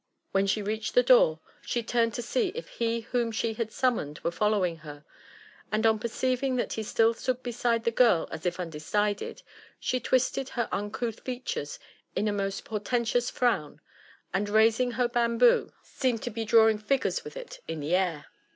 Svhen she reached the door, she turned to see if he whom she had summoned were following her ; and on perceiving that he still stood beside the girl as if undecided, she twisted her uncouth features into a most portentous frown, and raising her bamboo, seemed to be drawing figufesVith it in the air.